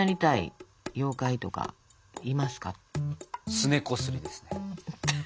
すねこすりですね。